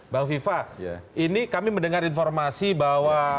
pak fivatar ini kami mendengar informasi bahwa